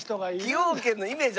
崎陽軒のイメージ